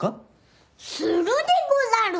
するでござる！